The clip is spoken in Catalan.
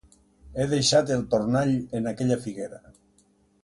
He deixat el tornall en aquella figuera.